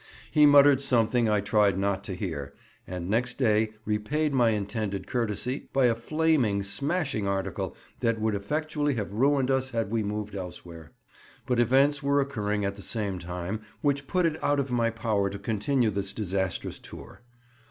He muttered something I tried not to hear, and next day repaid my intended courtesy by a flaming smashing article that would effectually have ruined us had we moved elsewhere. But events were occurring at the same time which put it out of my power to continue this disastrous tour.